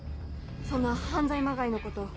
そんな犯罪まがいのこと。